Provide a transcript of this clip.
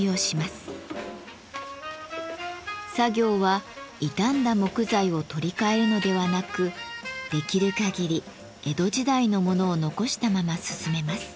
作業は傷んだ木材を取り替えるのではなくできるかぎり江戸時代のものを残したまま進めます。